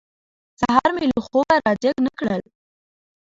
سهار مې له خوبه را جېګ نه کړل.